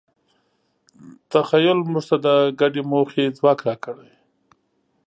تخیل موږ ته د ګډې موخې ځواک راکړی.